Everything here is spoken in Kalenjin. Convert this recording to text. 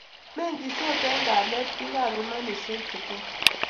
Meng'isot eng' kalyet biikab imanisiek che ter